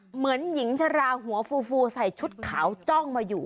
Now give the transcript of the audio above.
เหมือนหญิงชราหัวฟูใส่ชุดขาวจ้องมาอยู่